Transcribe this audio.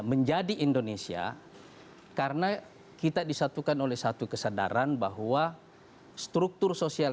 menjadi indonesia karena kita disatukan oleh satu kesadaran bahwa struktur sosial